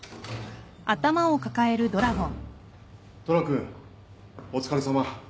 ・虎君お疲れさま。